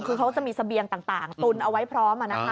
คือเขาจะมีเสบียงต่างตุนเอาไว้พร้อม